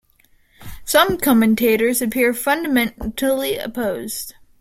Some commentators appear fundamentally opposed.